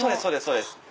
そうです。